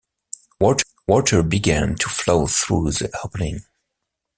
Water began to flow through the opening.